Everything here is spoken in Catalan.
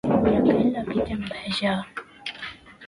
I a aquell de qui té enveja?